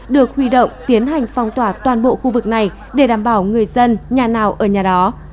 được huy động tiến hành phong tỏa toàn bộ khu vực này để đảm bảo người dân nhà nào ở nhà đó